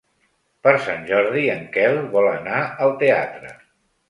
Per Sant Jordi en Quel vol anar al teatre.